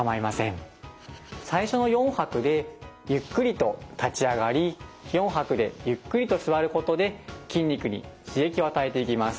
最初の４拍でゆっくりと立ち上がり４拍でゆっくりと座ることで筋肉に刺激を与えていきます。